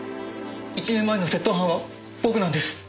１年前の窃盗犯は僕なんです！